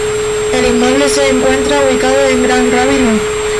El inmueble se encuentra ubicado en Gral Rabí No.